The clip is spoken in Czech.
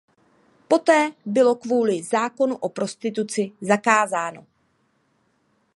Poté bylo kvůli zákonu o prostituci zakázáno.